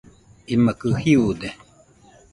imakɨ jiude